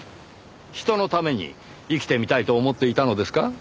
人のために生きてみたいと思っていたのですか？